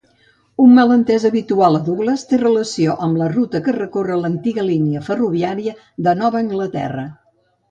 Un malentès habitual a Douglas té relació amb la ruta que recorre l'antiga línia ferroviària de Nova Anglaterra.